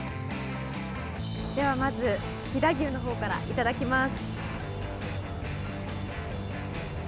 まず飛騨牛のほうからいただきます。